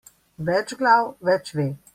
Več glav več ve.